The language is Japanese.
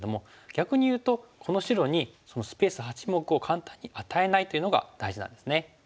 逆にいうとこの白にそのスペース８目を簡単に与えないというのが大事なんですね。